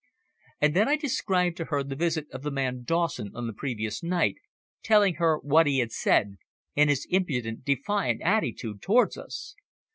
And then I described to her the visit of the man Dawson on the previous night, telling her what he had said, and his impudent, defiant attitude towards us.